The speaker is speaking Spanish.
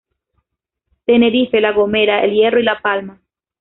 Tenerife, La Gomera, El Hierro y La Palma.